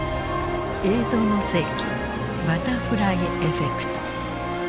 「映像の世紀バタフライエフェクト」。